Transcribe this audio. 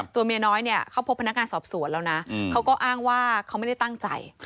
ตัวเมียน้อยเนี่ยเขาพบพนักงานสอบสวนแล้วนะเขาก็อ้างว่าเขาไม่ได้ตั้งใจ